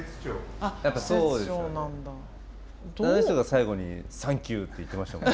あの人が最後に「サンキュー」って言ってましたもんね。